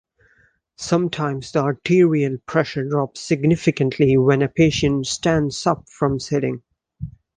Sometimes the arterial pressure drops significantly when a patient stands up from sitting.